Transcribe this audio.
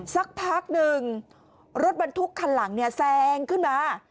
สักพักหนึ่งรถบรรทุกคันหลังเนี่ยแซงขึ้นมา